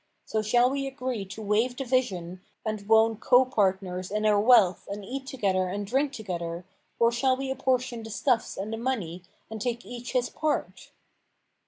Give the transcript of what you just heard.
So shall we agree to waive division and wone copartners in our wealth and eat together and drink together, or shall we apportion the stuffs and the money and take each his part?'